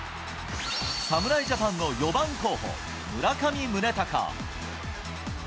侍ジャパンの４番候補、村上宗隆。